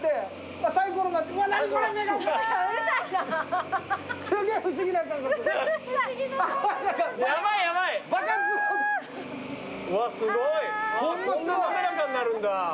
こんな滑らかになるんだ。